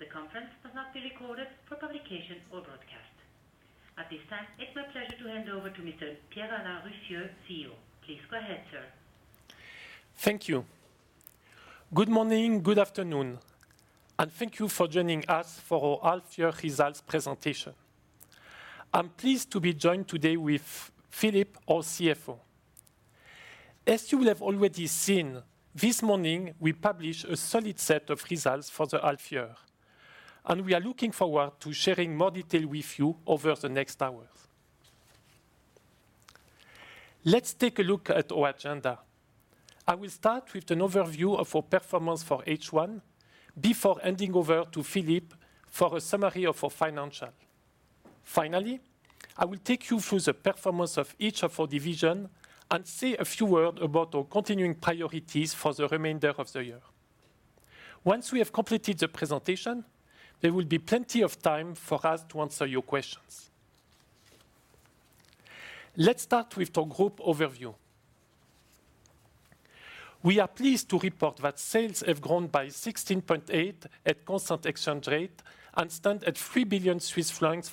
The conference is not being recorded for publication or broadcast. At this time, it's my pleasure to hand over to Mr. Pierre-Alain Ruffieux, CEO. Please go ahead, sir. Thank you. Good morning, good afternoon, and thank you for joining us for our half year results presentation. I'm pleased to be joined today with Philippe, our CFO. As you will have already seen this morning, we published a solid set of results for the half year, and we are looking forward to sharing more detail with you over the next hour. Let's take a look at our agenda. I will start with an overview of our performance for H1 before handing over to Philippe for a summary of our financials. Finally, I will take you through the performance of each of our divisions and say a few words about our continuing priorities for the remainder of the year. Once we have completed the presentation, there will be plenty of time for us to answer your questions. Let's start with our group overview. We are pleased to report that sales have grown by 16.8% at constant exchange rate and stand at 3 billion Swiss francs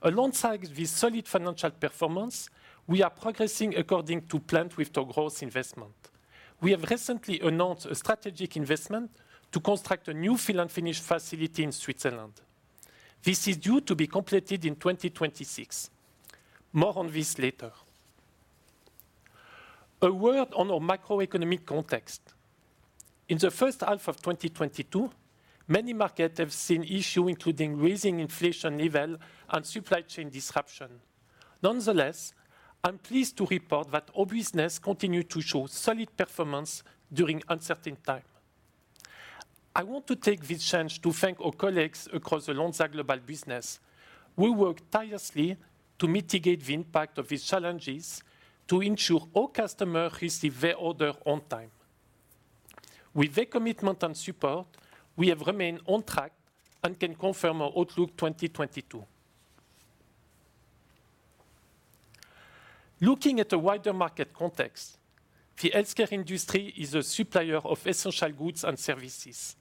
for the half year. We have generated 987 million Swiss francs in CORE EBITDA, corresponding to a margin of 33.1%. Alongside this solid financial performance, we are progressing according to plan with our growth investment. We have recently announced a strategic investment to construct a new fill and finish facility in Switzerland. This is due to be completed in 2026. More on this later. A word on our macroeconomic context. In the first half of 2022, many markets have seen issues, including rising inflation levels and supply chain disruption. Nonetheless, I'm pleased to report that our business continues to show solid performance during uncertain times. I want to take this chance to thank our colleagues across the Lonza global business, who work tirelessly to mitigate the impact of these challenges to ensure our customers receive their order on time. With their commitment and support, we have remained on track and can confirm our outlook 2022. Looking at a wider market context, the healthcare industry is a supplier of essential goods and services,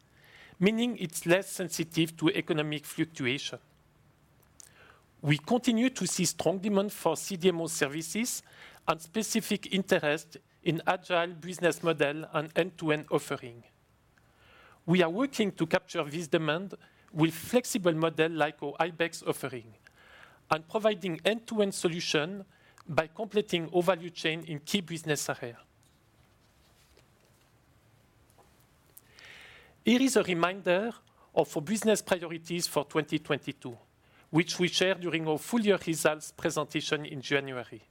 meaning it's less sensitive to economic fluctuation. We continue to see strong demand for CDMO services and specific interest in agile business model and end-to-end offering. We are working to capture this demand with flexible model like our Ibex offering and providing end-to-end solution by completing our value chain in key business area. Here is a reminder of our business priorities for 2022, which we share during our full year results presentation in January.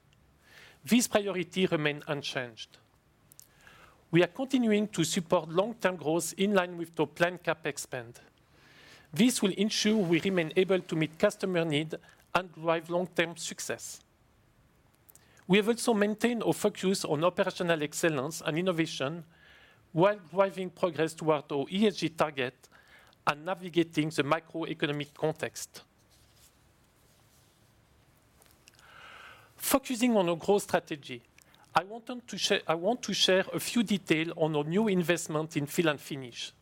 These priorities remain unchanged. We are continuing to support long-term growth in line with the planned CapEx spend. This will ensure we remain able to meet customer need and drive long-term success. We have also maintained our focus on operational excellence and innovation while driving progress toward our ESG target and navigating the macroeconomic context. Focusing on our growth strategy, I want to share a few details on our new investment in fill and finish.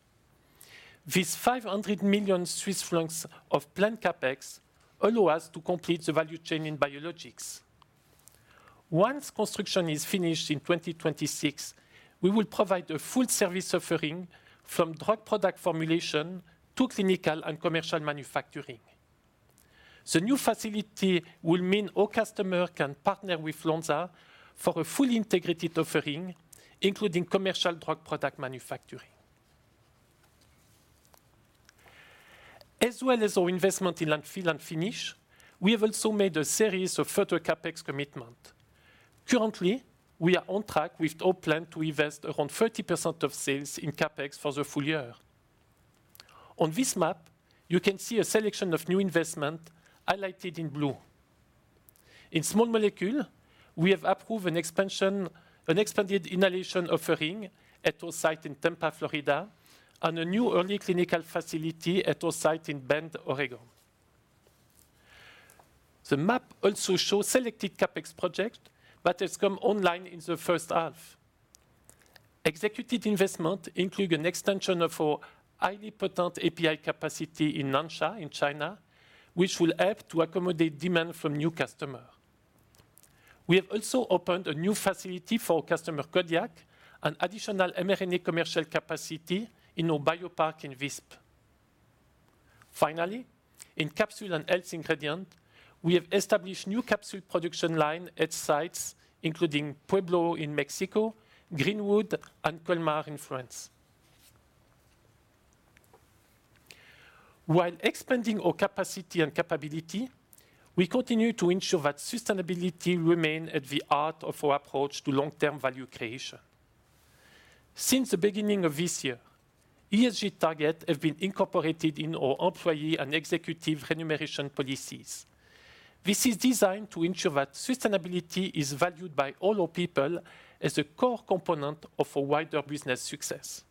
This 500 million Swiss francs of planned CapEx allows us to complete the value chain in biologics. Once construction is finished in 2026, we will provide a full service offering from drug product formulation to clinical and commercial manufacturing. The new facility will mean all customers can partner with Lonza for a fully integrated offering, including commercial drug product manufacturing. As well as our investment in fill and finish, we have also made a series of further CapEx commitments. Currently, we are on track with our plan to invest around 30% of sales in CapEx for the full year. On this map, you can see a selection of new investments highlighted in blue. In Small Molecules, we have approved an expansion, an expanded inhalation offering at our site in Tampa, Florida, and a new early clinical facility at our site in Bend, Oregon. The map also shows selected CapEx projects that have come online in the first half. Executed investments include an extension of our highly potent API capacity in Nansha in China, which will help to accommodate demand from new customers. We have also opened a new facility for our customer, Kodiak, an additional mRNA commercial capacity in our Biopark in Visp. Finally, in Capsules & Health Ingredients, we have established new capsule production line at sites including Puebla in Mexico, Greenwood and Colmar in France. While expanding our capacity and capability, we continue to ensure that sustainability remain at the heart of our approach to long-term value creation. Since the beginning of this year, ESG target have been incorporated in our employee and executive remuneration policies. This is designed to ensure that sustainability is valued by all our people as a core component of a wider business success.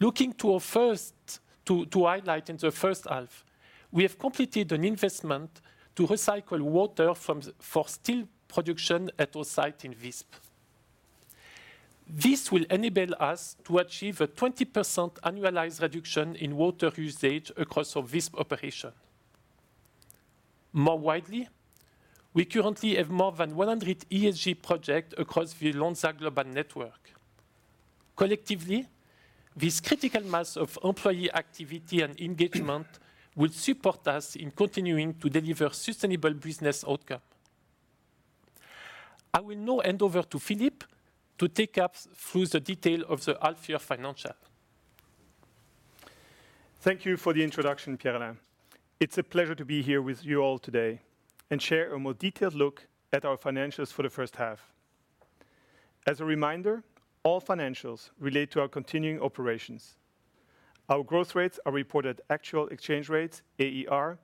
Looking to our first highlight in the first half, we have completed an investment to recycle water for steel production at our site in Visp. This will enable us to achieve a 20% annualized reduction in water usage across our Visp operation. More widely, we currently have more than 100 ESG project across the Lonza global network. Collectively, this critical mass of employee activity and engagement will support us in continuing to deliver sustainable business outcomes. I will now hand over to Philippe to take us through the details of the half-year financials. Thank you for the introduction, Pierre-Alain. It's a pleasure to be here with you all today and share a more detailed look at our financials for the first half. As a reminder, all financials relate to our continuing operations. Our growth rates are reported at actual exchange rates, AER,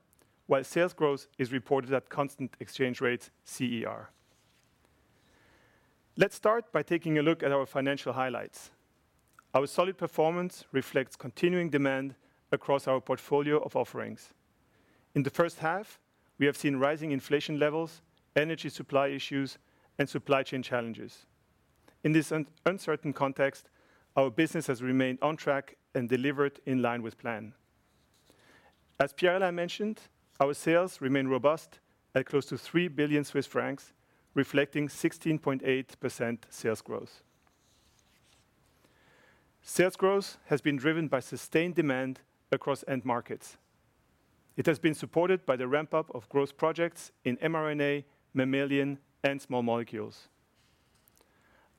while sales growth is reported at constant exchange rates, CER. Let's start by taking a look at our financial highlights. Our solid performance reflects continuing demand across our portfolio of offerings. In the first half, we have seen rising inflation levels, energy supply issues, and supply chain challenges. In this uncertain context, our business has remained on track and delivered in line with plan. As Pierre-Alain mentioned, our sales remain robust at close to 3 billion Swiss francs, reflecting 16.8% sales growth. Sales growth has been driven by sustained demand across end markets. It has been supported by the ramp-up of growth projects in mRNA, mammalian, and Small Molecules.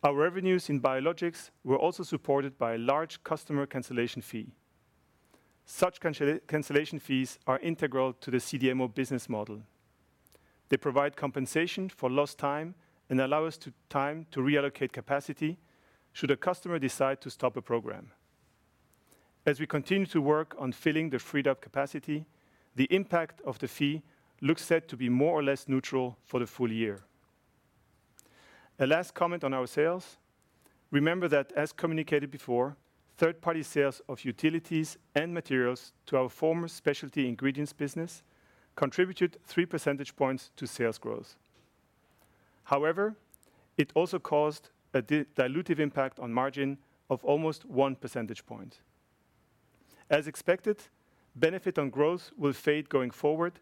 Our revenues in Biologics were also supported by a large customer cancellation fee. Such cancellation fees are integral to the CDMO business model. They provide compensation for lost time and allow us time to reallocate capacity should a customer decide to stop a program. As we continue to work on filling the freed-up capacity, the impact of the fee looks set to be more or less neutral for the full year. A last comment on our sales, remember that as communicated before, third-party sales of utilities and materials to our former Specialty Ingredients business contributed three percentage points to sales growth. However, it also caused a dilutive impact on margin of almost one percentage point. As expected, benefit on growth will fade going forward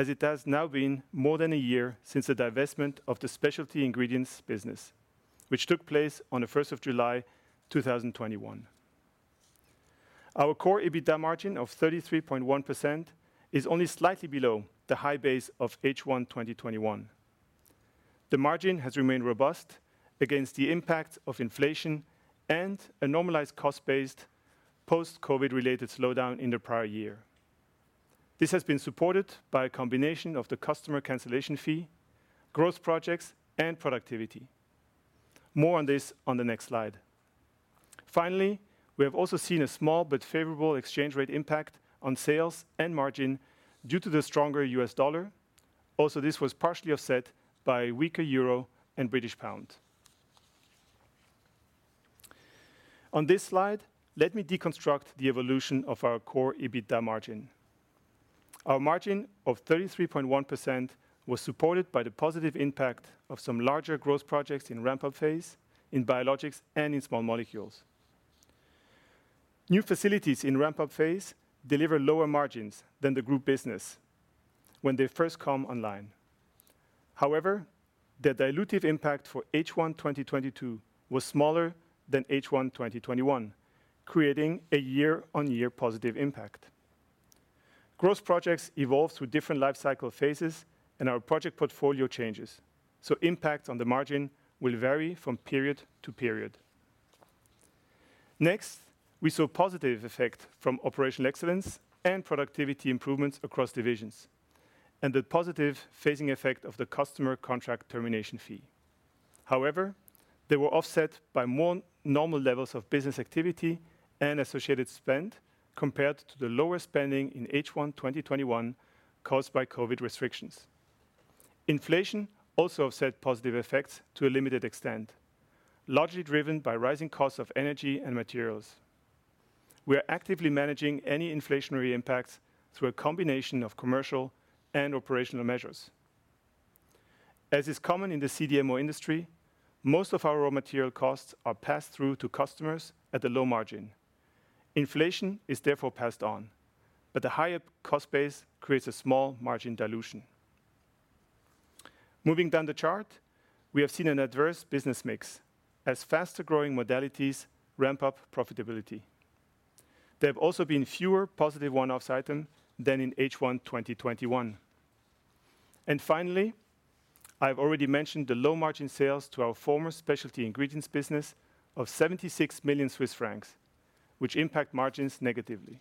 as it has now been more than a year since the divestment of the Lonza Specialty Ingredients business, which took place on July 1, 2021. Our Core EBITDA margin of 33.1% is only slightly below the high base of H1 2021. The margin has remained robust against the impact of inflation and a normalized cost-based post-COVID related slowdown in the prior year. This has been supported by a combination of the customer cancellation fee, growth projects, and productivity. More on this on the next slide. Finally, we have also seen a small but favorable exchange rate impact on sales and margin due to the stronger US dollar. Also this was partially offset by a weaker euro and British pound. On this slide, let me deconstruct the evolution of our Core EBITDA margin. Our margin of 33.1% was supported by the positive impact of some larger growth projects in ramp-up phase, in Biologics, and in Small Molecules. New facilities in ramp-up phase deliver lower margins than the group business when they first come online. However, the dilutive impact for H1 2022 was smaller than H1 2021, creating a year-on-year positive impact. Growth projects evolve through different life cycle phases and our project portfolio changes, so impact on the margin will vary from period to period. Next, we saw positive effect from operational excellence and productivity improvements across divisions, and the positive phasing effect of the customer contract termination fee. However, they were offset by more normal levels of business activity and associated spend compared to the lower spending in H1 2021 caused by COVID restrictions. Inflation also offset positive effects to a limited extent, largely driven by rising costs of energy and materials. We are actively managing any inflationary impacts through a combination of commercial and operational measures. As is common in the CDMO industry, most of our raw material costs are passed through to customers at a low margin. Inflation is therefore passed on, but the higher cost base creates a small margin dilution. Moving down the chart, we have seen an adverse business mix as faster-growing modalities ramp up profitability. There have also been fewer positive one-off items than in H1 2021. Finally, I've already mentioned the low margin sales to our former Specialty Ingredients business of 76 million Swiss francs, which impact margins negatively.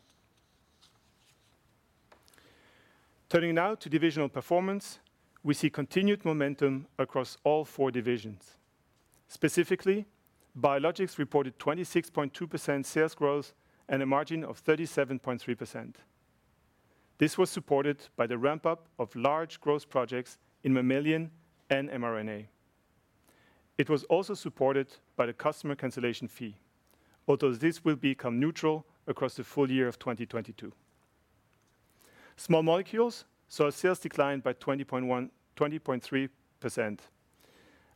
Turning now to divisional performance, we see continued momentum across all four divisions. Specifically, Biologics reported 26.2% sales growth and a margin of 37.3%. This was supported by the ramp-up of large growth projects in mammalian and mRNA. It was also supported by the customer cancellation fee. Although this will become neutral across the full year of 2022. Small Molecules saw sales decline by 20.3%,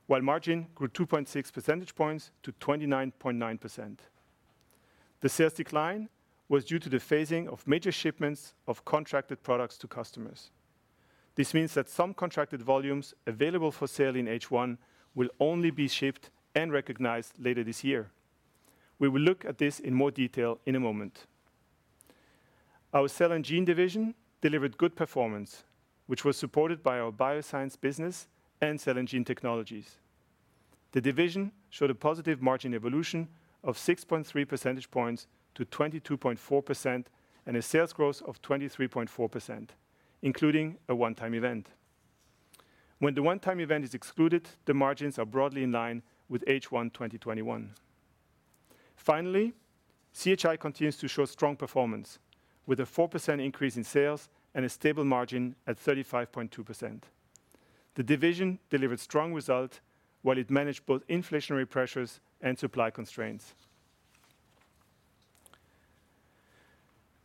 while margin grew 2.6 percentage points to 29.9%. The sales decline was due to the phasing of major shipments of contracted products to customers. This means that some contracted volumes available for sale in H1 will only be shipped and recognized later this year. We will look at this in more detail in a moment. Our Cell & Gene division delivered good performance, which was supported by our bioscience business and Cell & Gene technologies. The division showed a positive margin evolution of 6.3 percentage points to 22.4% and a sales growth of 23.4%, including a one-time event. When the one-time event is excluded, the margins are broadly in line with H1 2021. Finally, CHI continues to show strong performance with a 4% increase in sales and a stable margin at 35.2%. The division delivered strong result while it managed both inflationary pressures and supply constraints.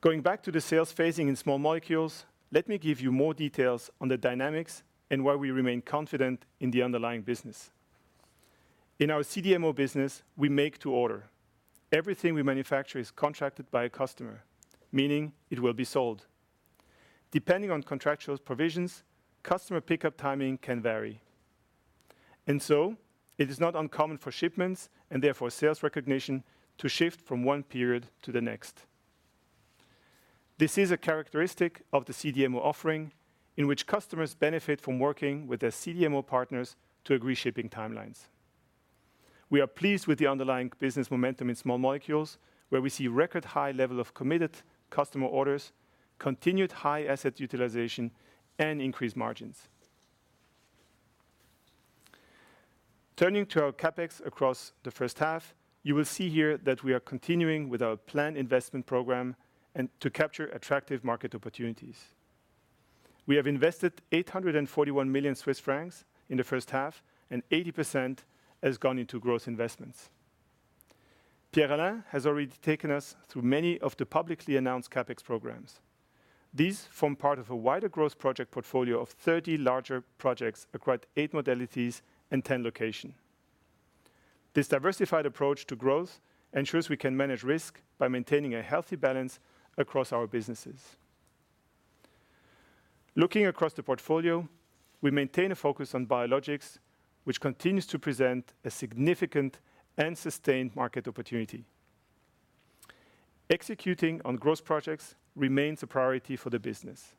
Going back to the sales phasing in Small Molecules, let me give you more details on the dynamics and why we remain confident in the underlying business. In our CDMO business, we make to order. Everything we manufacture is contracted by a customer, meaning it will be sold. Depending on contractual provisions, customer pickup timing can vary. It is not uncommon for shipments, and therefore sales recognition, to shift from one period to the next. This is a characteristic of the CDMO offering in which customers benefit from working with their CDMO partners to agree shipping timelines. We are pleased with the underlying business momentum in Small Molecules, where we see record high level of committed customer orders, continued high asset utilization, and increased margins. Turning to our CapEx across the first half, you will see here that we are continuing with our planned investment program and to capture attractive market opportunities. We have invested 841 million Swiss francs in the first half, and 80% has gone into growth investments. Pierre-Alain has already taken us through many of the publicly announced CapEx programs. These form part of a wider growth project portfolio of 30 larger projects across eight modalities and 10 locations. This diversified approach to growth ensures we can manage risk by maintaining a healthy balance across our businesses. Looking across the portfolio, we maintain a focus on Biologics, which continues to present a significant and sustained market opportunity. Executing on growth projects remains a priority for the business.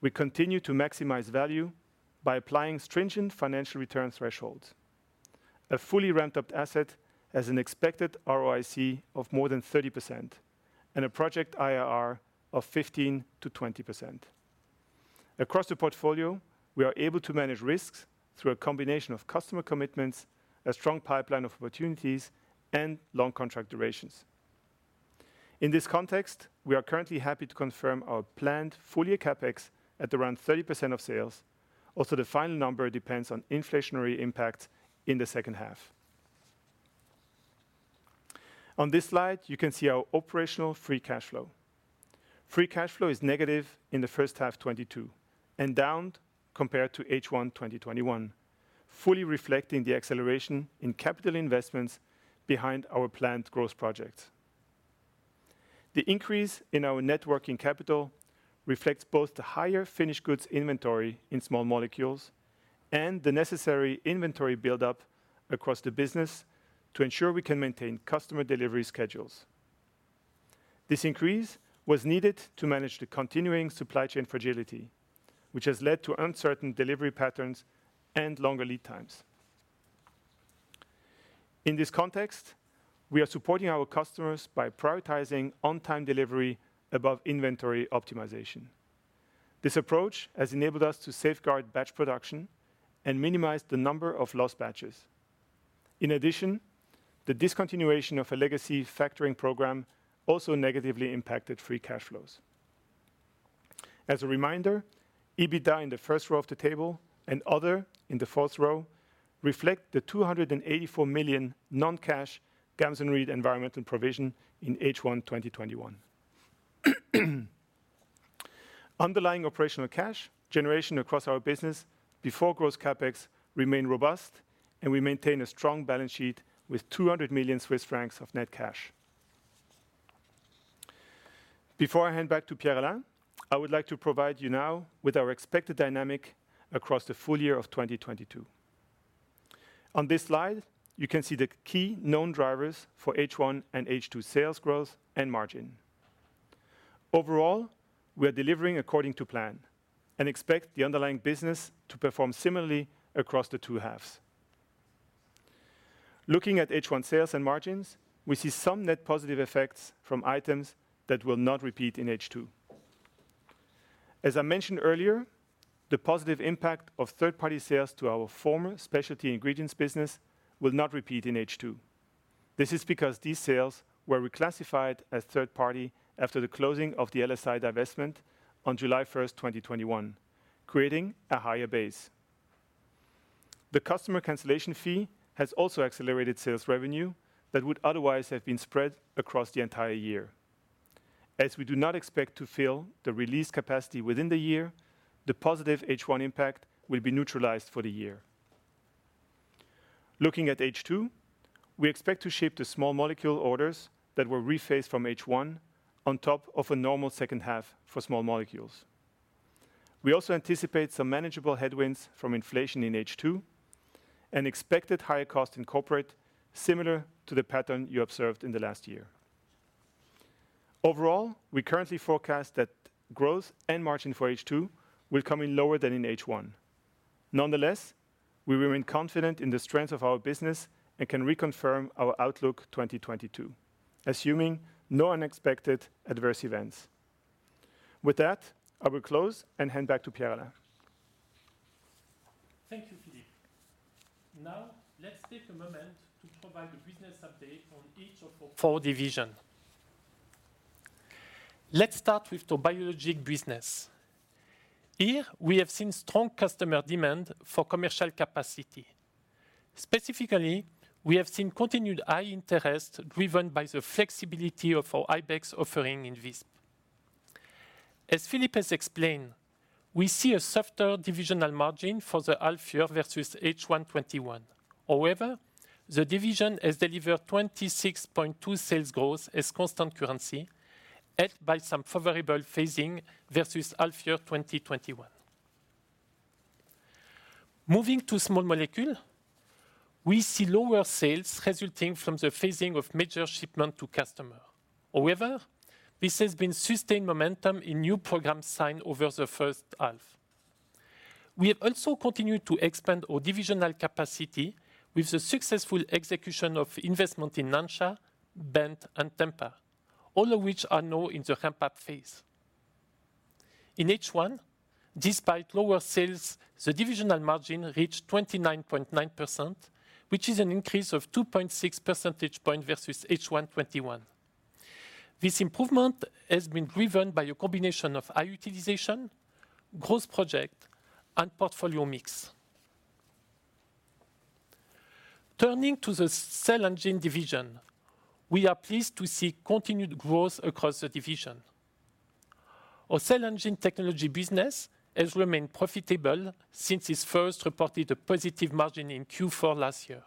We continue to maximize value by applying stringent financial return thresholds. A fully ramped up asset has an expected ROIC of more than 30% and a project IRR of 15%-20%. Across the portfolio, we are able to manage risks through a combination of customer commitments, a strong pipeline of opportunities, and long contract durations. In this context, we are currently happy to confirm our planned full-year CapEx at around 30% of sales. Also, the final number depends on inflationary impact in the second half. On this slide, you can see our operational free cash flow. Free cash flow is negative in the first half 2022 and down compared to H1 2021, fully reflecting the acceleration in capital investments behind our planned growth projects. The increase in our net working capital reflects both the higher finished goods inventory in Small Molecules and the necessary inventory build-up across the business to ensure we can maintain customer delivery schedules. This increase was needed to manage the continuing supply chain fragility, which has led to uncertain delivery patterns and longer lead times. In this context, we are supporting our customers by prioritizing on-time delivery above inventory optimization. This approach has enabled us to safeguard batch production and minimize the number of lost batches. In addition, the discontinuation of a legacy factoring program also negatively impacted free cash flows. As a reminder, EBITDA in the first row of the table and other in the fourth row reflect the 284 million non-cash Gamsenried environmental provision in H1 2021. Underlying operational cash generation across our business before growth CapEx remain robust, and we maintain a strong balance sheet with 200 million Swiss francs of net cash. Before I hand back to Pierre-Alain, I would like to provide you now with our expected dynamic across the full year of 2022. On this slide, you can see the key known drivers for H1 and H2 sales growth and margin. Overall, we are delivering according to plan and expect the underlying business to perform similarly across the two halves. Looking at H1 sales and margins, we see some net positive effects from items that will not repeat in H2. As I mentioned earlier, the positive impact of third-party sales to our former Lonza Specialty Ingredients business will not repeat in H2. This is because these sales were reclassified as third party after the closing of the LSI divestment on July 1, 2021, creating a higher base. The customer cancellation fee has also accelerated sales revenue that would otherwise have been spread across the entire year. As we do not expect to fill the release capacity within the year, the positive H1 impact will be neutralized for the year. Looking at H2, we expect to ship the Small Molecules orders that were rephased from H1 on top of a normal second half for Small Molecules. We also anticipate some manageable headwinds from inflation in H2 and expected higher cost in corporate, similar to the pattern you observed in the last year. Overall, we currently forecast that growth and margin for H2 will come in lower than in H1. Nonetheless, we remain confident in the strength of our business and can reconfirm our outlook 2022, assuming no unexpected adverse events. With that, I will close and hand back to Pierre-Alain. Thank you, Philippe. Now let's take a moment to provide a business update on each of our four divisions. Let's start with the Biologics business. Here we have seen strong customer demand for commercial capacity. Specifically, we have seen continued high interest driven by the flexibility of our Ibex® offering in this. As Philippe has explained, we see a softer divisional margin for the half year versus H1 2021. However, the division has delivered 26.2% sales growth at constant currency helped by some favorable phasing versus half year 2021. Moving to Small Molecules, we see lower sales resulting from the phasing of major shipment to customer. However, this has been sustained momentum in new programs signed over the first half. We have continued to expand our divisional capacity with the successful execution of investment in Nansha, Bend, and Tampa, all of which are now in the ramp-up phase. In H1, despite lower sales, the divisional margin reached 29.9%, which is an increase of 2.6 percentage point versus H1 2021. This improvement has been driven by a combination of high utilization, growth project, and portfolio mix. Turning to the Cell & Gene division, we are pleased to see continued growth across the division. Our Cell & Gene technology business has remained profitable since it first reported a positive margin in Q4 last year.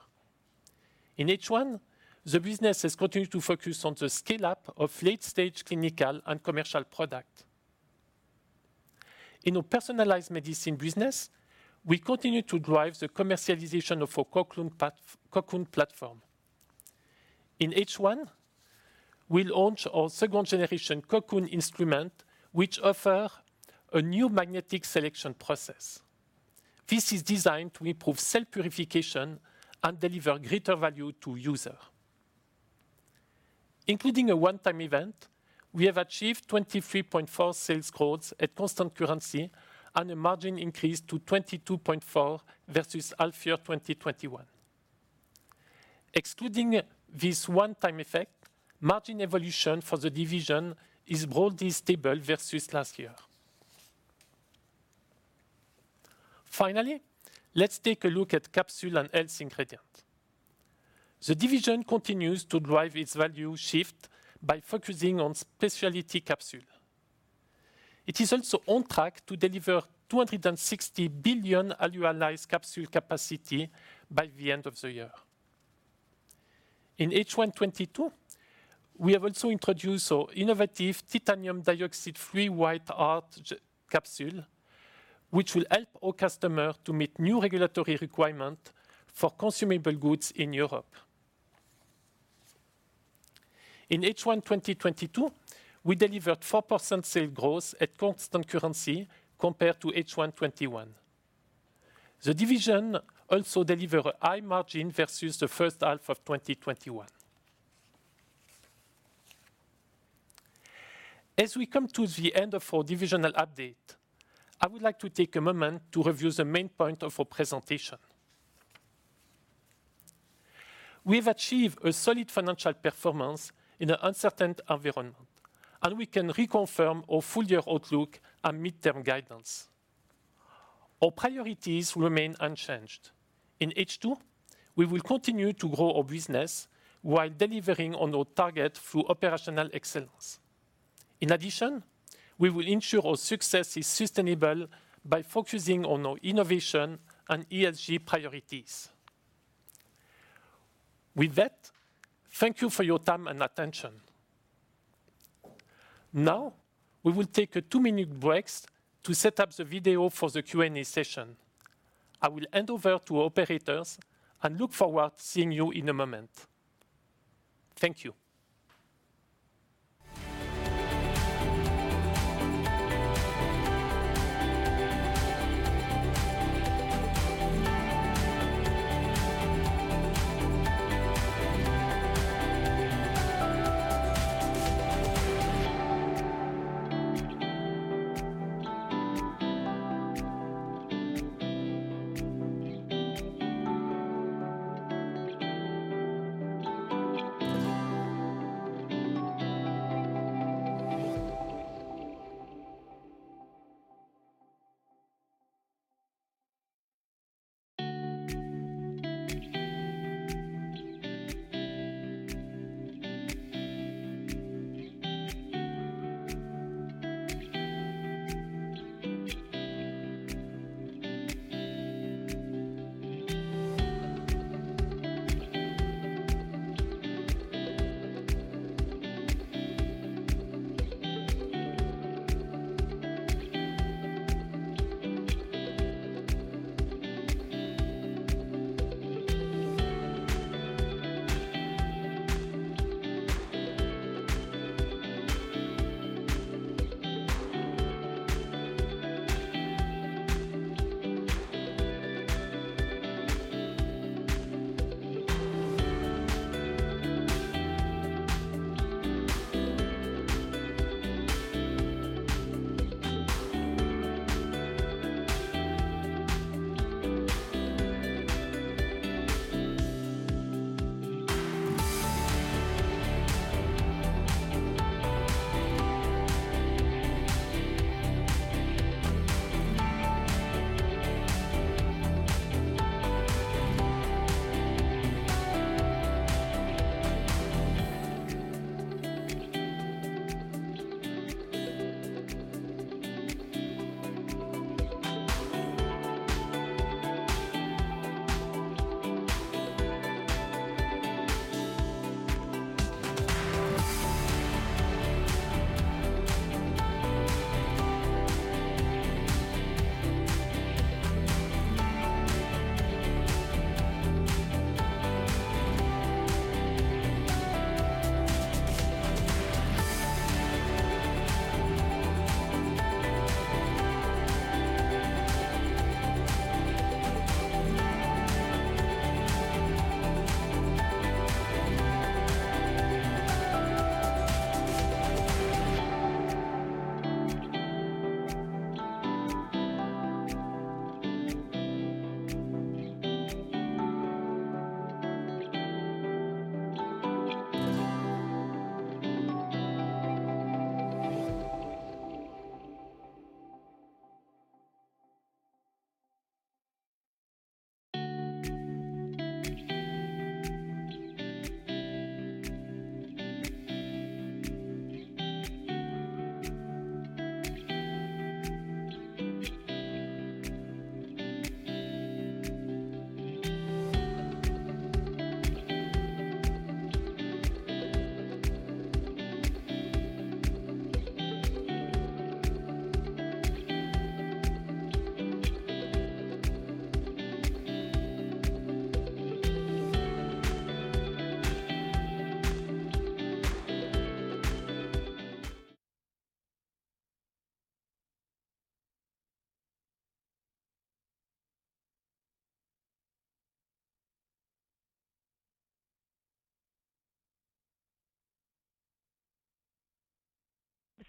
In H1, the business has continued to focus on the scale-up of late-stage clinical and commercial product. In our personalized medicine business, we continue to drive the commercialization of our Cocoon® platform. In H1, we launched our second-generation Cocoon instrument, which offers a new magnetic selection process. This is designed to improve cell purification and deliver greater value to users. Including a one-time event, we have achieved 23.4% sales growth at constant currency and a margin increase to 22.4% versus half year 2021. Excluding this one-time effect, margin evolution for the division is broadly stable versus last year. Finally, let's take a look at capsule and health ingredient. The division continues to drive its value shift by focusing on specialty capsules. It is also on track to deliver 260 billion annualized capsule capacity by the end of the year. In H1 2022, we have also introduced our innovative titanium dioxide-free white hard capsule, which will help our customers to meet new regulatory requirements for consumable goods in Europe. In H1 2022, we delivered 4% sales growth at constant currency compared to H1 2021. The division also deliver high margin versus the first half of 2021. As we come to the end of our divisional update, I would like to take a moment to review the main point of our presentation. We have achieved a solid financial performance in an uncertain environment, and we can reconfirm our full year outlook and midterm guidance. Our priorities remain unchanged. In H2, we will continue to grow our business while delivering on our target through operational excellence. In addition, we will ensure our success is sustainable by focusing on our innovation and ESG priorities. With that, thank you for your time and attention. Now, we will take a two-minute breaks to set up the video for the Q&A session. I will hand over to operators and look forward to seeing you in a moment. Thank you.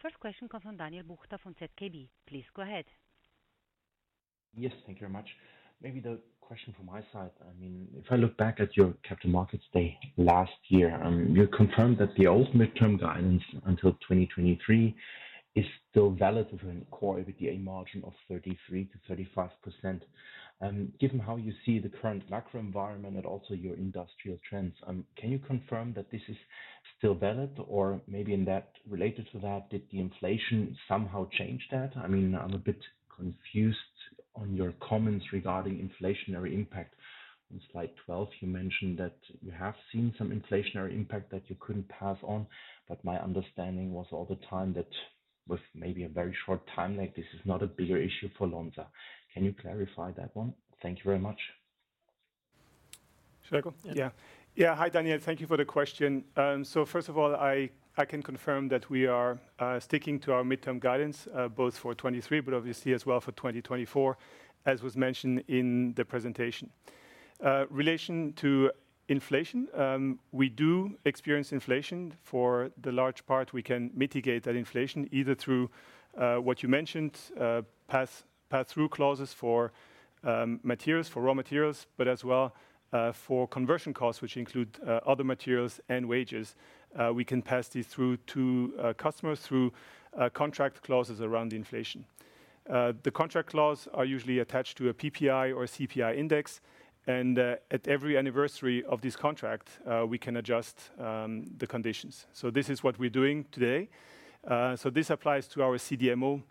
The first question comes from Daniel Buchta from ZKB. Please go ahead. Yes, thank you very much. Maybe the question from my side, I mean, if I look back at your capital markets day last year, you confirmed that the old midterm guidance until 2023 is still valid within CORE EBITDA margin of 33%-35%. Given how you see the current macro environment and also your industrial trends, can you confirm that this is still valid? Or maybe related to that, did the inflation somehow change that? I mean, I'm a bit confused on your comments regarding inflationary impact. On slide 12, you mentioned that you have seen some inflationary impact that you couldn't pass on, but my understanding was all the time that with maybe a very short time lag, this is not a bigger issue for Lonza. Can you clarify that one? Thank you very much. Should I go? Yeah. Yeah. Hi, Daniel. Thank you for the question. First of all, I can confirm that we are sticking to our midterm guidance both for 2023, but obviously as well for 2024, as was mentioned in the presentation. In relation to inflation, we do experience inflation. For the large part, we can mitigate that inflation either through what you mentioned, pass-through clauses for materials, for raw materials, but as well for conversion costs, which include other materials and wages. We can pass this through to customers through contract clauses around inflation. The contract clause are usually attached to a PPI or CPI index, and at every anniversary of this contract, we can adjust the conditions. This is what we're doing today. This applies to our CDMO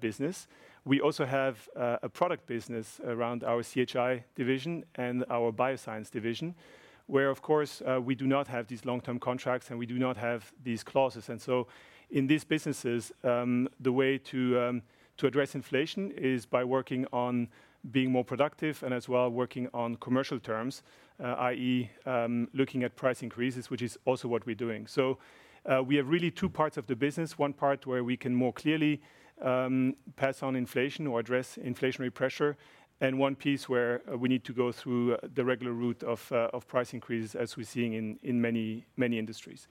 business. We also have a product business around our CHI division and our bioscience division, where, of course, we do not have these long-term contracts and we do not have these clauses. In these businesses, the way to address inflation is by working on being more productive and as well working on commercial terms, i.e., looking at price increases, which is also what we're doing. We have really two parts of the business. One part where we can more clearly pass on inflation or address inflationary pressure, and one piece where we need to go through the regular route of price increases as we're seeing in many industries.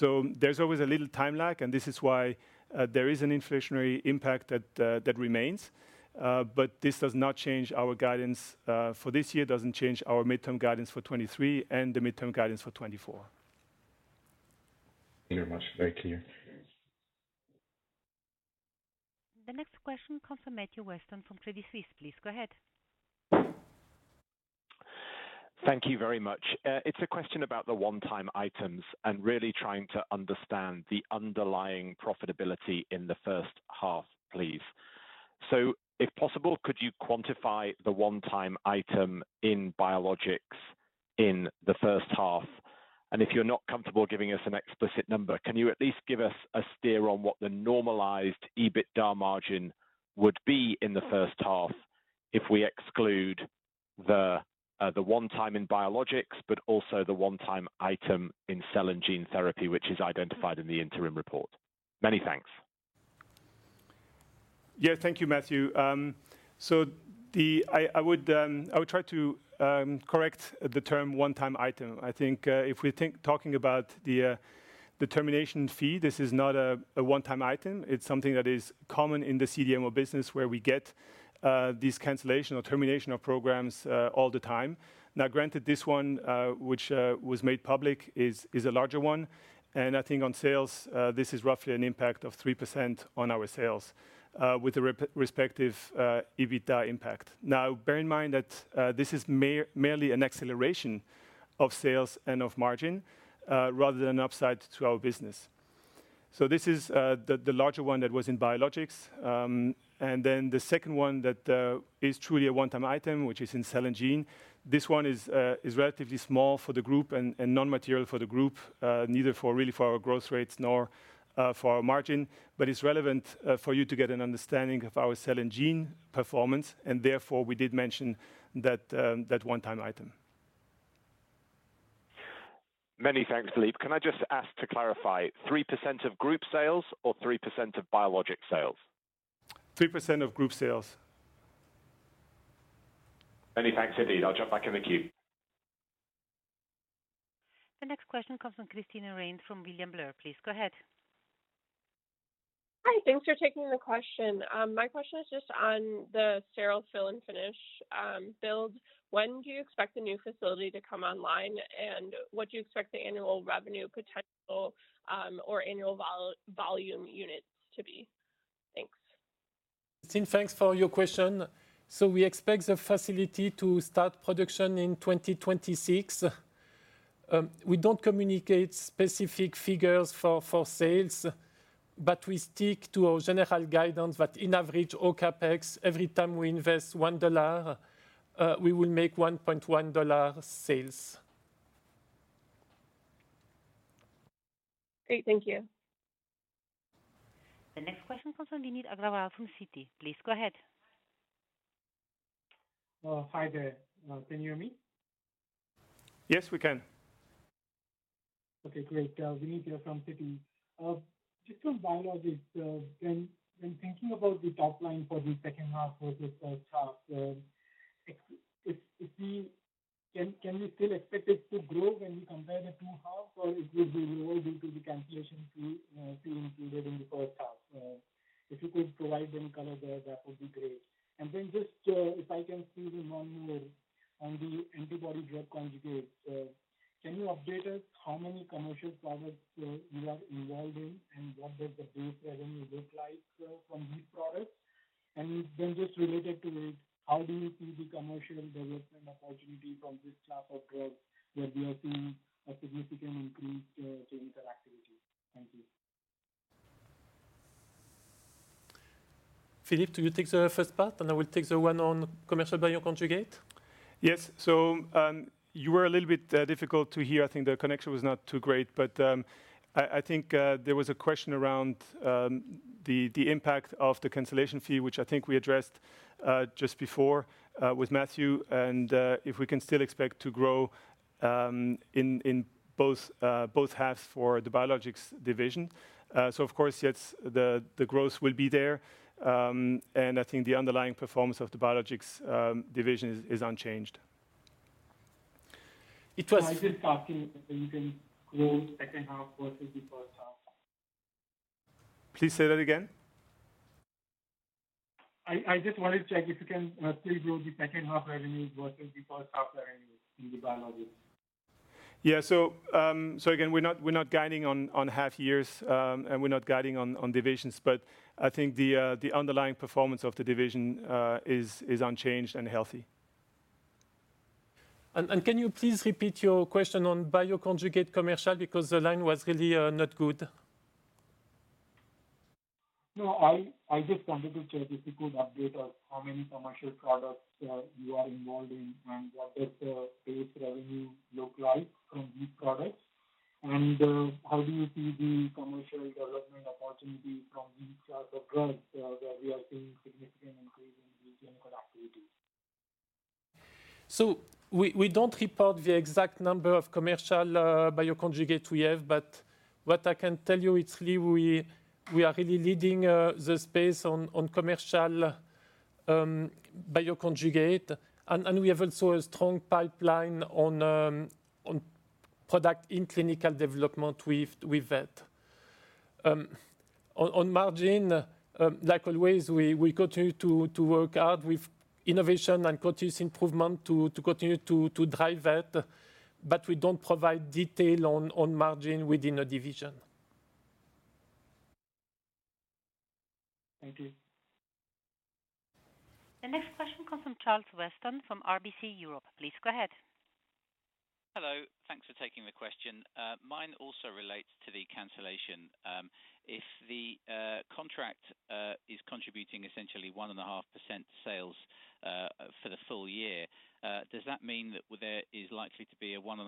There's always a little time lag, and this is why there is an inflationary impact that remains. This does not change our guidance for this year, doesn't change our midterm guidance for 2023 and the midterm guidance for 2024. Thank you very much. Very clear. The next question comes from Matthew Weston from Credit Suisse. Please go ahead. Thank you very much. It's a question about the one-time items and really trying to understand the underlying profitability in the first half, please. If possible, could you quantify the one-time item in Biologics in the first half? And if you're not comfortable giving us an explicit number, can you at least give us a steer on what the normalized EBITDA margin would be in the first half if we exclude the one time in Biologics, but also the one-time item in Cell & Gene therapy, which is identified in the interim report? Many thanks. Thank you, Matthew. I would try to correct the term one-time item. I think if we're talking about the termination fee, this is not a one-time item. It's something that is common in the CDMO business where we get these cancellation or termination of programs all the time. Now, granted, this one which was made public is a larger one. I think on sales this is roughly an impact of 3% on our sales with the respective EBITDA impact. Now, bear in mind that this is mainly an acceleration of sales and of margin rather than an upside to our business. This is the larger one that was in Biologics. Then the second one that is truly a one-time item, which is in Cell & Gene. This one is relatively small for the group and non-material for the group, neither really for our growth rates nor for our margin. It's relevant for you to get an understanding of our Cell & Gene performance and therefore we did mention that one-time item. Many thanks, Philippe. Can I just ask to clarify, 3% of group sales or 3% of biologic sales? 3% of group sales. Many thanks indeed. I'll jump back in the queue. The next question comes from Christine Rains from William Blair. Please go ahead. Hi. Thanks for taking the question. My question is just on the sterile fill and finish build. When do you expect the new facility to come online, and what do you expect the annual revenue potential or annual volume units to be? Thanks. Christine, thanks for your question. We expect the facility to start production in 2026. We don't communicate specific figures for sales, but we stick to our general guidance that on average OpEx, every time we invest $1, we will make $1.1 sales. Great. Thank you. The next question comes from Vineet Agrawal from Citi. Please go ahead. Hi there. Can you hear me? Yes, we can. Okay, great. Vineet here from Citi. Just on Biologics, when thinking about the top line for the second half versus first half, ex FX, if we can still expect it to grow when we compare the two half, or it will be lower due to the cancellation fee included in the first half? If you could provide any color there, that would be great. Just, if I can see the one on the antibody-drug conjugates, can you update us how many commercial products you are involved in, and what does the base revenue look like from these products? Just related to it, how do you see the commercial development opportunity from this class of drugs where we are seeing a significant increase in activity? Thank you. Philippe, do you take the first part and I will take the one on commercial bioconjugate? Yes. You were a little bit difficult to hear. I think the connection was not too great. I think there was a question around the impact of the cancellation fee, which I think we addressed just before with Matthew, and if we can still expect to grow in both halves for the Biologics division. Of course, yes, the growth will be there. I think the underlying performance of the Biologics division is unchanged. It was- I was just asking if you can grow second half versus the first half? Please say that again. I just wanted to check if you can still grow the second half revenues versus the first half revenues in the Biologics? Again, we're not guiding on half years, and we're not guiding on divisions, but I think the underlying performance of the division is unchanged and healthy. Can you please repeat your question on bioconjugate commercial because the line was really not good. No, I just wanted to check if you could update us how many commercial products you are involved in, and what does the base revenue look like from these products? How do you see the commercial development opportunity from these class of drugs, where we are seeing significant increase in the general activities? We don't report the exact number of commercial bioconjugate we have. What I can tell you, it's clear we are really leading the space on commercial bioconjugate. We have also a strong pipeline on product in clinical development with it. On margin, like always, we continue to work hard with innovation and continuous improvement to continue to drive that, but we don't provide detail on margin within a division. Thank you. The next question comes from Charles Weston from RBC Europe. Please go ahead. Hello. Thanks for taking the question. Mine also relates to the cancellation. If the contract is contributing essentially 1.5% sales for the full year, does that mean that there is likely to be a 1.5%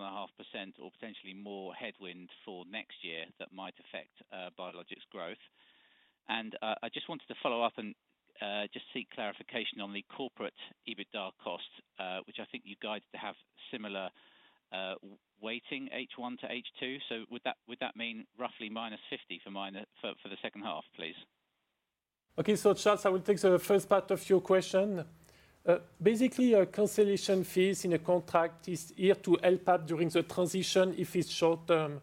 or potentially more headwind for next year that might affect Biologics growth? I just wanted to follow up and just seek clarification on the CORE EBITDA costs, which I think you guys have similar weighting H1 to H2. Would that mean roughly -50 for the second half, please? Okay. Charles, I will take the first part of your question. Basically, cancellation fees in a contract are here to help out during the transition if it's short-term.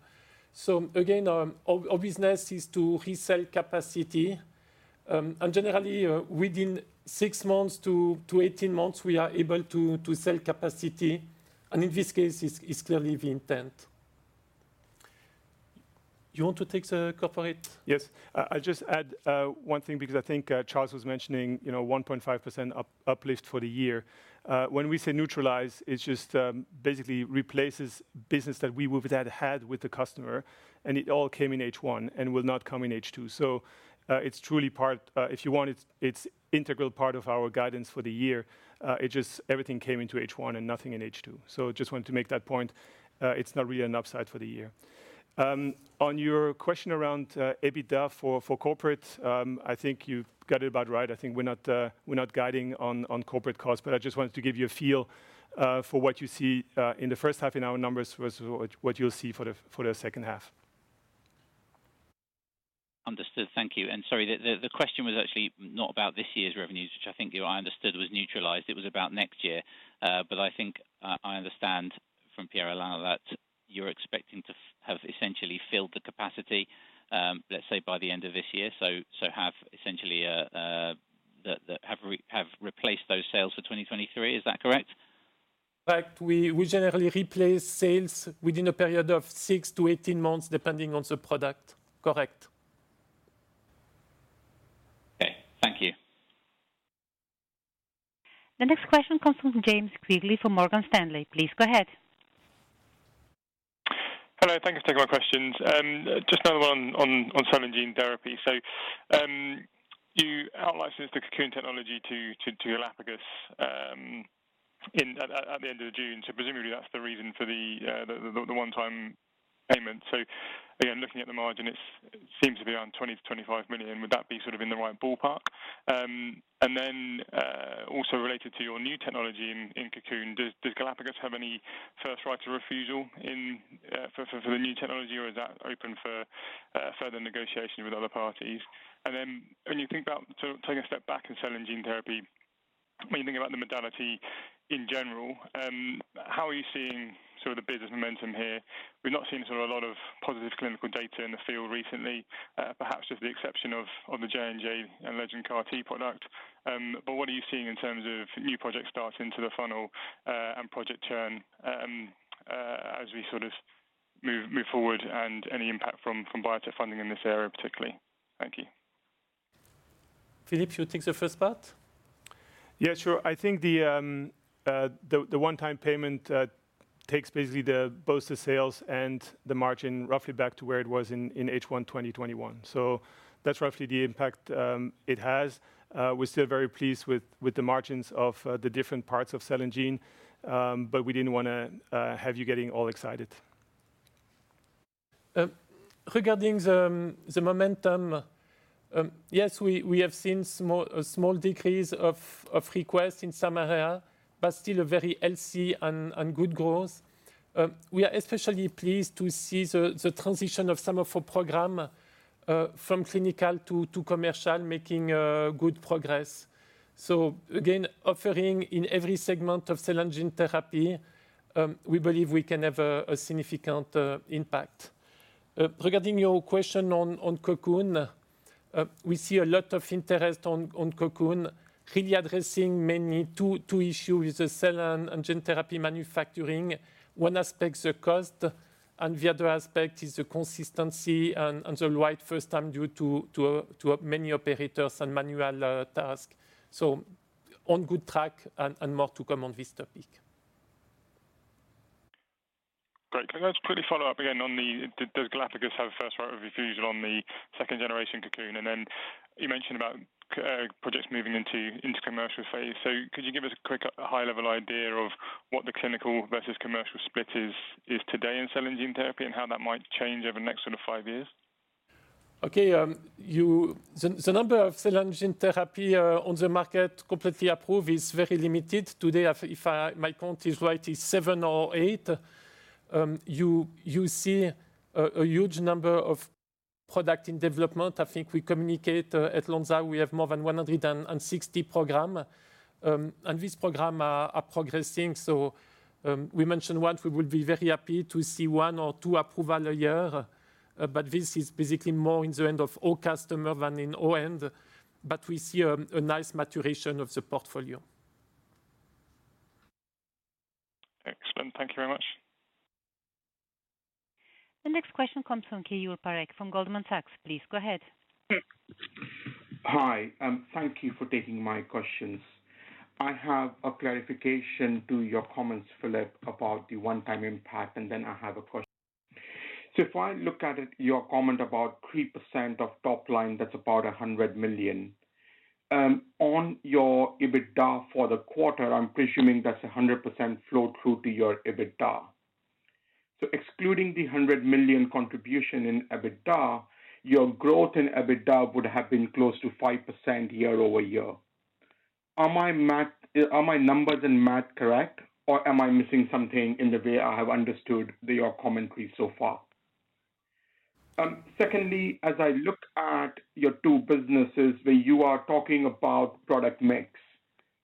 Again, our business is to resell capacity. Generally within six months to 18 months, we are able to sell capacity. In this case, it's clearly the intent. You want to take the corporate? Yes. I just add one thing because I think Charles was mentioning, you know, 1.5% uplift for the year. When we say neutralize, it just basically replaces business that we would have had with the customer, and it all came in H1 and will not come in H2. It's truly, if you want, an integral part of our guidance for the year. It just everything came into H1 and nothing in H2. Just wanted to make that point. It's not really an upside for the year. On your question around EBITDA for corporate, I think you got it about right. I think we're not guiding on corporate costs, but I just wanted to give you a feel for what you see in the first half in our numbers versus what you'll see for the second half. Understood. Thank you. Sorry, the question was actually not about this year's revenues, which I think I understood was neutralized. It was about next year. I think I understand from Pierre-Alain that you're expecting to have essentially filled the capacity, let's say by the end of this year. Have essentially replaced those sales for 2023. Is that correct? In fact, we generally replace sales within a period of 6-18 months, depending on the product. Correct. Okay. Thank you. The next question comes from James Quigley from Morgan Stanley. Please go ahead. Hello. Thank you for taking my questions. Just another one on Cell & Gene therapy. You out-licensed the Cocoon technology to Galapagos at the end of June. Presumably, that's the reason for the one-time payment. Again, looking at the margin, it seems to be around 20 million-25 million. Would that be sort of in the right ballpark? And then, also related to your new technology in Cocoon®, does Galapagos have any first right to refusal for the new technology, or is that open for further negotiation with other parties? When you think about sort of taking a step back in Cell & Gene therapy, when you think about the modality in general, how are you seeing sort of the business momentum here? We've not seen sort of a lot of positive clinical data in the field recently, perhaps with the exception of the J&J and Legend Biotech CAR-T product. What are you seeing in terms of new project starts into the funnel, and project churn, as we sort of move forward and any impact from biotech funding in this area particularly? Thank you. Philippe, you take the first part? Yeah, sure. I think the one-time payment takes basically both the sales and the margin roughly back to where it was in H1 2021. That's roughly the impact it has. We're still very pleased with the margins of the different parts of Cell & Gene, but we didn't wanna have you getting all excited. Regarding the momentum, yes, we have seen a small decrease of requests in some area, but still a very healthy and good growth. We are especially pleased to see the transition of some of our program from clinical to commercial making good progress. Again, offering in every segment of Cell & Gene therapy, we believe we can have a significant impact. Regarding your question on Cocoon®, we see a lot of interest on Cocoon®, really addressing mainly two issue with the Cell & Gene therapy manufacturing. One aspect, the cost, and the other aspect is the consistency and the right first time due to many operators and manual task. On good track and more to come on this topic. Great. Can I just quickly follow up again. Did Galapagos have first right of refusal on the second generation Cocoon®? You mentioned about projects moving into commercial phase. Could you give us a quick high-level idea of what the clinical versus commercial split is today in Cell & Gene therapy and how that might change over the next sort of five years? The number of Cell & Gene therapy on the market completely approved is very limited. Today, if my count is right, is seven or eight. You see a huge number of products in development. I think we communicate at Lonza, we have more than 160 programs. These programs are progressing. We mentioned once we would be very happy to see one or two approvals a year, but this is basically more in the hands of our customers than in our end. We see a nice maturation of the portfolio. Excellent. Thank you very much. The next question comes from Keyur Parekh from Goldman Sachs. Please go ahead. Hi, thank you for taking my questions. I have a clarification to your comments, Philippe, about the one-time impact. If I look at it, your comment about 3% of top line, that's about 100 million. On your EBITDA for the quarter, I'm presuming that's 100% flow through to your EBITDA. Excluding the 100 million contribution in EBITDA, your growth in EBITDA would have been close to 5% year-over-year. Are my numbers and math correct, or am I missing something in the way I have understood your commentary so far? Secondly, as I look at your two businesses where you are talking about product mix,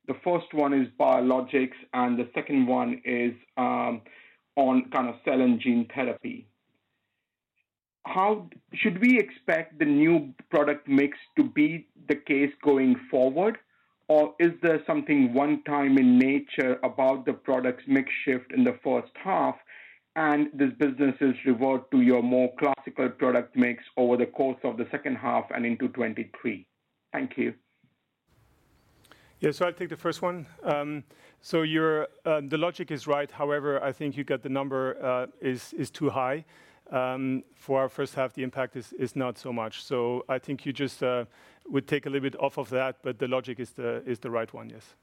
the first one is Biologics and the second one is on kind of Cell & Gene therapy. Should we expect the new product mix to be the case going forward? Or is there something one time in nature about the product mix shift in the first half, and these businesses revert to your more classical product mix over the course of the second half and into 2023? Thank you. Yeah. I'll take the first one. The logic is right. However, I think you get the number is too high. For our first half, the impact is not so much. I think you just would take a little bit off of that, but the logic is the right one, yes.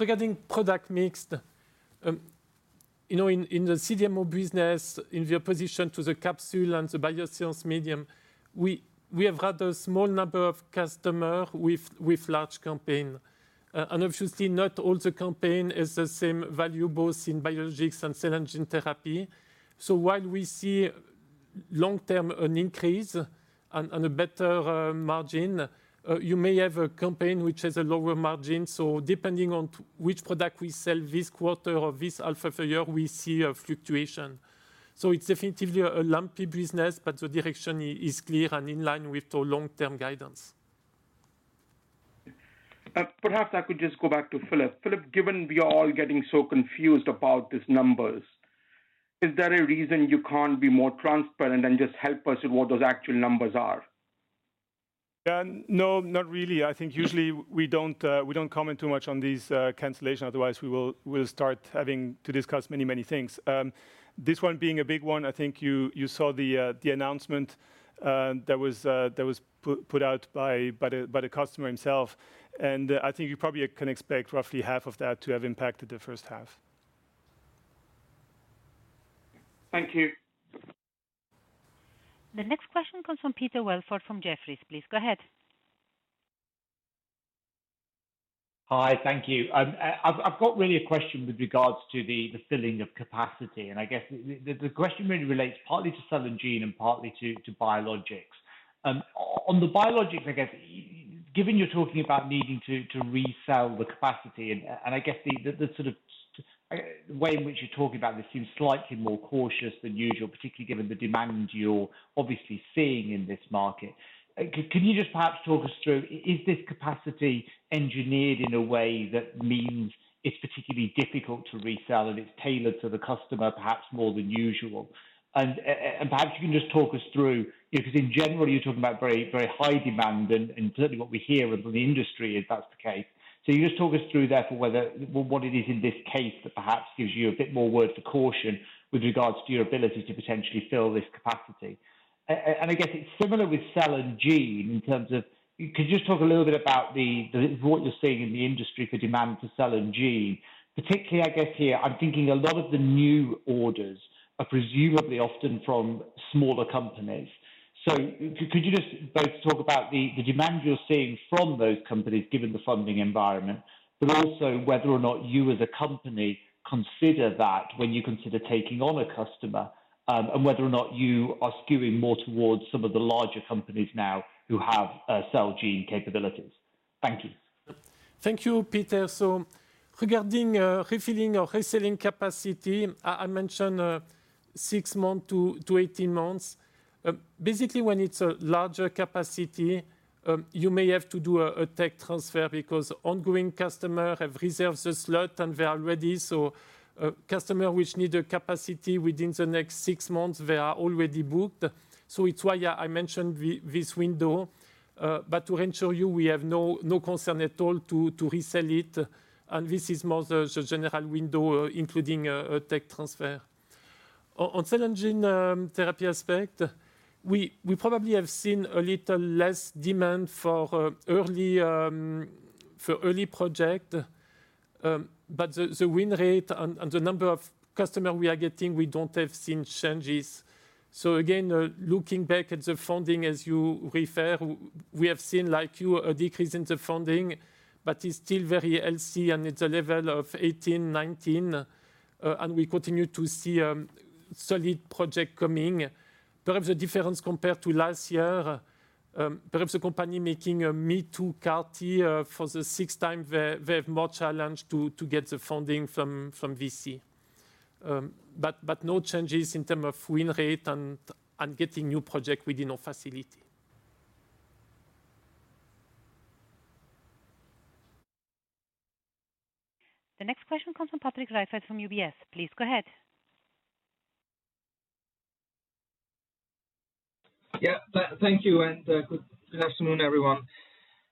Regarding product mix, you know in the CDMO business, compared to the capsules and the Biologics, we have had a small number of customers with large campaigns. Obviously not all the campaigns are the same value both in Biologics and Cell & Gene therapy. While we see long-term an increase and a better margin, you may have a campaign which has a lower margin. Depending on which product we sell this quarter or this half of year, we see a fluctuation. It's definitely a lumpy business, but the direction is clear and in line with our long-term guidance. Perhaps I could just go back to Philippe. Philippe, given we are all getting so confused about these numbers, is there a reason you can't be more transparent and just help us with what those actual numbers are? Yeah. No, not really. I think usually we don't comment too much on these cancellation. Otherwise, we'll start having to discuss many things. This one being a big one, I think you saw the announcement that was put out by the customer himself. I think you probably can expect roughly half of that to have impacted the first half. Thank you. The next question comes from Peter Welford from Jefferies. Please go ahead. Hi. Thank you. I've got really a question with regards to the filling of capacity. I guess the question really relates partly to Cell & Gene and partly to Biologics. On the Biologics, I guess, given you're talking about needing to resell the capacity, and I guess the sort of way in which you're talking about this seems slightly more cautious than usual, particularly given the demand you're obviously seeing in this market. Can you just perhaps talk us through, is this capacity engineered in a way that means it's particularly difficult to resell and it's tailored to the customer, perhaps more than usual? Perhaps you can just talk us through, because in general, you're talking about very, very high demand and certainly what we hear within the industry if that's the case. You just talk us through therefore whether what it is in this case that perhaps gives you a bit more word of caution with regards to your ability to potentially fill this capacity. I guess it's similar with Cell & Gene in terms of. Could you just talk a little bit about what you're seeing in the industry for demand for Cell & Gene? Particularly, I guess here, I'm thinking a lot of the new orders are presumably often from smaller companies. Could you just both talk about the demand you're seeing from those companies given the funding environment, but also whether or not you as a company consider that when you consider taking on a customer, and whether or not you are skewing more towards some of the larger companies now who have cell gene capabilities. Thank you. Thank you, Peter. Regarding refilling or reselling capacity, I mentioned six months to 18 months. Basically, when it's a larger capacity, you may have to do a tech transfer because ongoing customer have reserved the slot and they are ready. A customer which need a capacity within the next six months, they are already booked. It's why, yeah, I mentioned this window. But to ensure you, we have no concern at all to resell it. This is more the general window, including a tech transfer. On Cell & Gene therapy aspect, we probably have seen a little less demand for early project. But the win rate and the number of customer we are getting, we don't have seen changes. Again, looking back at the funding as you refer, we have seen, like you, a decrease in the funding, but it's still very healthy and it's a level of 18, 19, and we continue to see solid project coming. Perhaps the difference compared to last year. Perhaps a company making a me-too CAR-T for the sixth time, they have more challenge to get the funding from VC. No changes in terms of win rate and getting new project within our facility. The next question comes from Patrick Rafaisz from UBS. Please go ahead. Yeah. Thank you, and good afternoon, everyone.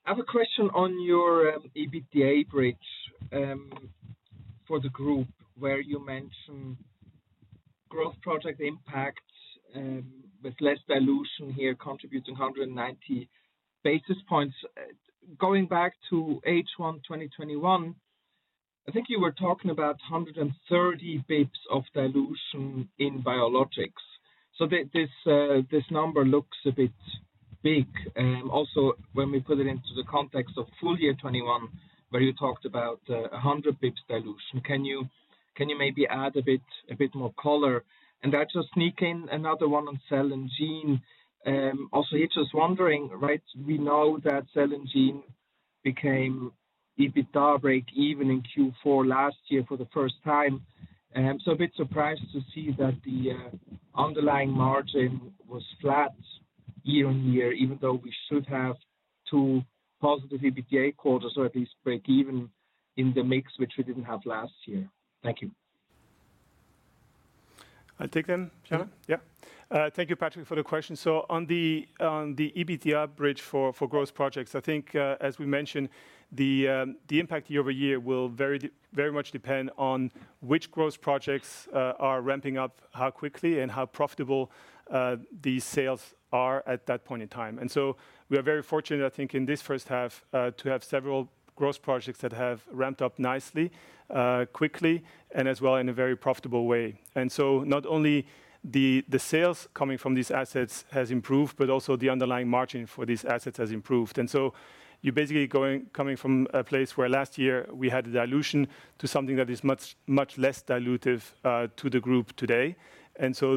I have a question on your EBITDA bridge for the group where you mention growth project impact with less dilution here contributing 190 basis points. Going back to H1 2021, I think you were talking about 130 basis points of dilution in Biologics. This number looks a bit big. Also when we put it into the context of Full Year 2021 where you talked about 100 basis points dilution. Can you maybe add a bit more color? I'll just sneak in another one on Cell & Gene. Also, I was just wondering, right, we know that Cell & Gene became EBITDA breakeven in Q4 last year for the first time. A bit surprised to see that the underlying margin was flat year-over-year, even though we should have two positive EBITDA quarters or at least break even in the mix which we didn't have last year. Thank you. I'll take them, Shannon. Sure. Yeah. Thank you Patrick for the question. On the EBITDA bridge for growth projects, I think as we mentioned the impact year-over-year will very much depend on which growth projects are ramping up how quickly and how profitable these sales are at that point in time. We are very fortunate, I think in this first half, to have several growth projects that have ramped up nicely quickly and as well in a very profitable way. Not only the sales coming from these assets has improved, but also the underlying margin for these assets has improved. You're basically coming from a place where last year we had a dilution to something that is much, much less dilutive to the group today.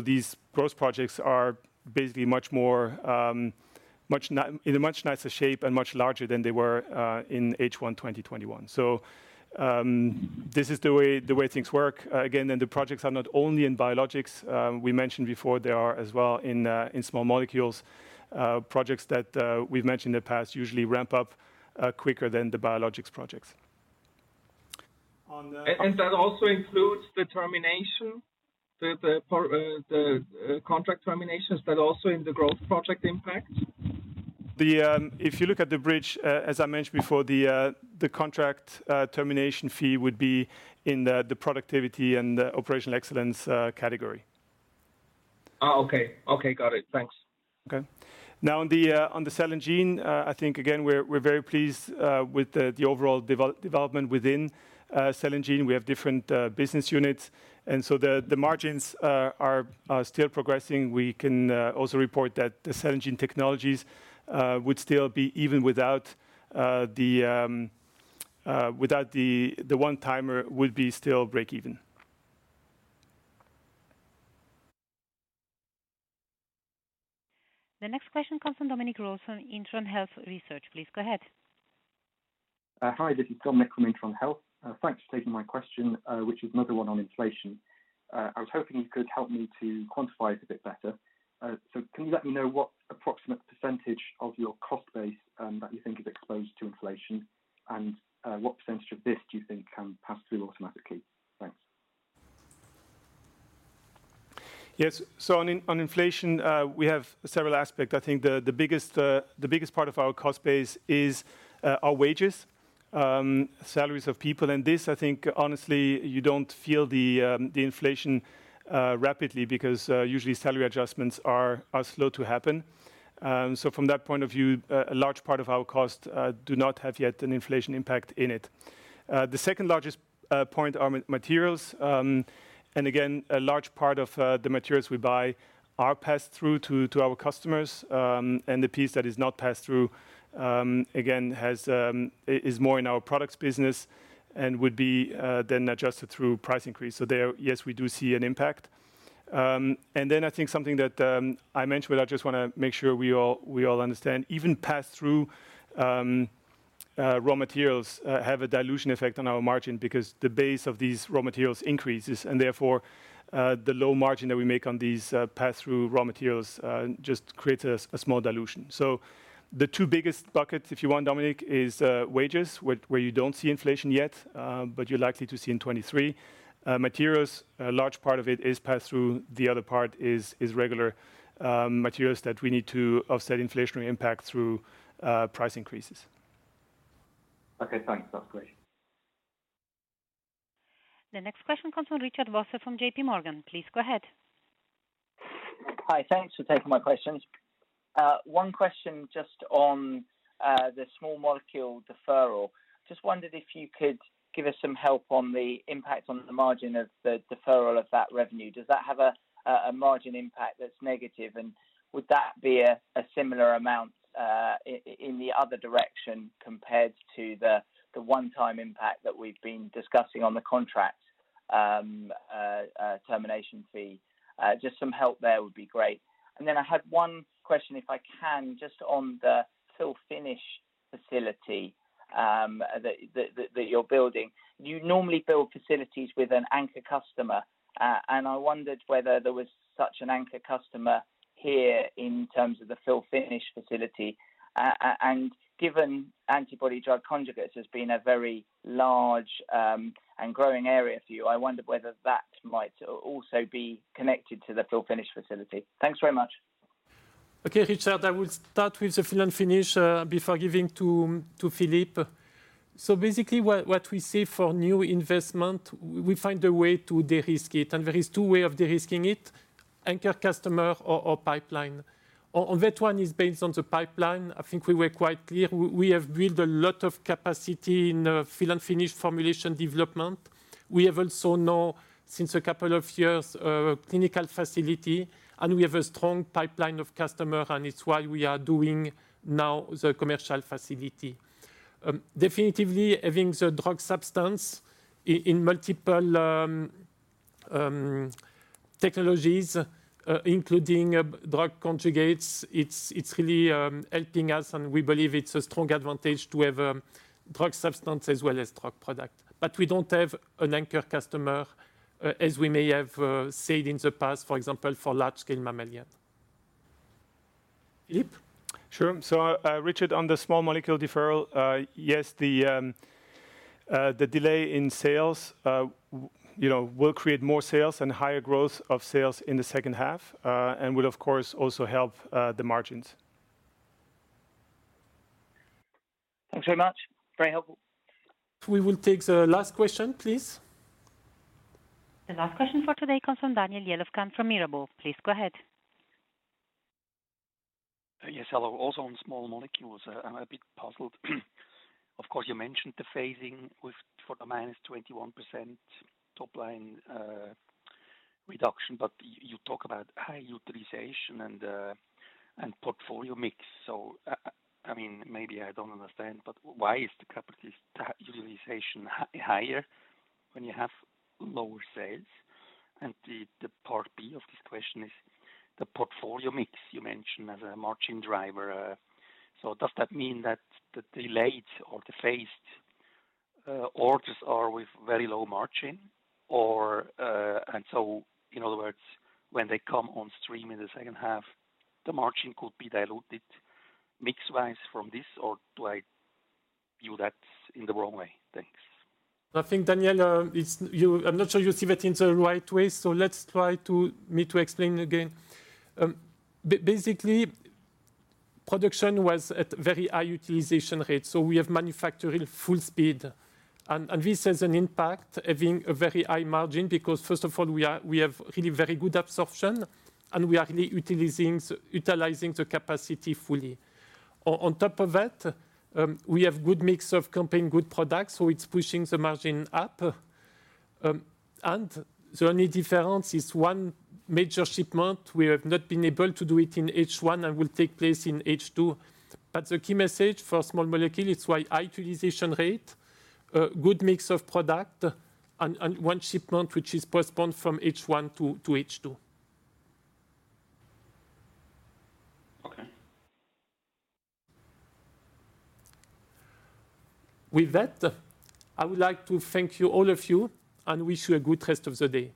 These growth projects are basically much more in a much nicer shape and much larger than they were in H1 2021. This is the way things work. The projects are not only in Biologics. We mentioned before they are as well in Small Molecules, projects that we've mentioned in the past usually ramp up quicker than the Biologics projects. That also includes the termination, the contract terminations, but also in the growth project impact? If you look at the bridge, as I mentioned before, the contract termination fee would be in the productivity and the operational excellence category. Oh, okay. Got it. Thanks. Okay. Now on the Cell & Gene, I think again, we're very pleased with the overall development within Cell & Gene. We have different business units and so the margins are still progressing. We can also report that the Cell & Gene technologies would still be break even even without the one-timer. The next question comes from Dominic Ross from Intron Health Research. Please go ahead. Hi, this is Dominic Ross from Intron Health. Thanks for taking my question, which is another one on inflation. I was hoping you could help me to quantify it a bit better. Can you let me know what approximate percentage of your cost base that you think is exposed to inflation and what percentage of this do you think can pass through automatically? Thanks. Yes. On inflation, we have several aspects. I think the biggest part of our cost base is our wages, salaries of people. This, I think honestly you don't feel the inflation rapidly because usually salary adjustments are slow to happen. From that point of view, a large part of our cost do not have yet an inflation impact in it. The second largest point are materials. Again, a large part of the materials we buy are passed through to our customers. The piece that is not passed through, again, is more in our products business and would be then adjusted through price increase. There, yes, we do see an impact. I think something that I mentioned, but I just wanna make sure we all understand. Even pass-through raw materials have a dilution effect on our margin because the base of these raw materials increases and therefore the low margin that we make on these pass-through raw materials just creates a small dilution. The two biggest buckets, if you want, Dominic, is wages where you don't see inflation yet, but you're likely to see in 2023. Materials, a large part of it is pass-through. The other part is regular materials that we need to offset inflationary impact through price increases. Okay, thanks. That's great. The next question comes from Richard Vosser from JPMorgan. Please go ahead. Hi. Thanks for taking my questions. One question just on the small molecule deferral. Just wondered if you could give us some help on the impact on the margin of the deferral of that revenue. Does that have a margin impact that's negative and would that be a similar amount in the other direction compared to the one-time impact that we've been discussing on the contract termination fee. Just some help there would be great. I had one question, if I can, just on the fill-finish facility that you're building. You normally build facilities with an anchor customer. I wondered whether there was such an anchor customer here in terms of the fill-finish facility. Given antibody-drug conjugates has been a very large, and growing area for you, I wondered whether that might also be connected to the fill-finish facility. Thanks very much. Okay, Richard. I will start with the fill and finish before giving to Philippe. Basically what we see for new investment, we find a way to de-risk it, and there is two way of de-risking it, anchor customer or pipeline. On that one is based on the pipeline. I think we were quite clear. We have built a lot of capacity in fill-and-finish formulation development. We have also now, since a couple of years, a clinical facility, and we have a strong pipeline of customer, and it's why we are doing now the commercial facility. Definitely having the drug substance in multiple technologies, including drug conjugates, it's really helping us and we believe it's a strong advantage to have drug substance as well as drug product. We don't have an anchor customer, as we may have said in the past, for example, for large scale mammalian. Philippe. Sure. Richard, on the Small Molecules deferral, yes, the delay in sales, you know, will create more sales and higher growth of sales in the second half, and will of course also help the margins. Thanks very much. Very helpful. We will take the last question, please. The last question for today comes from Daniel Jelovcan from Mirabaud. Please go ahead. Yes, hello. Also on Small Molecules, I'm a bit puzzled. Of course, you mentioned the phasing of the -21% top line reduction, but you talk about high utilization and portfolio mix. I mean, maybe I don't understand, but why is the capacity utilization higher when you have lower sales? The part B of this question is the portfolio mix you mentioned as a margin driver. Does that mean that the delayed or the phased orders are with very low margin? Or, in other words, when they come on stream in the second half, the margin could be diluted mix-wise from this, or do I view that in the wrong way? Thanks. I think, Daniel, I'm not sure you see that in the right way, so let me explain again. Basically, production was at very high utilization rate, so we have manufactured at full speed. This has an impact, having a very high margin, because first of all, we have really very good absorption, and we are really utilizing the capacity fully. On top of that, we have good mix of complementary products, so it's pushing the margin up. The only difference is one major shipment, we have not been able to do it in H1 and will take place in H2. The key message for Small Molecules, it's quite high utilization rate, a good mix of product and one shipment which is postponed from H1 to H2. Okay. With that, I would like to thank you, all of you, and wish you a good rest of the day.